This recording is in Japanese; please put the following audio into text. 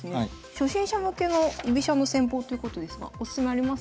初心者向けの居飛車の戦法ということですがオススメあります？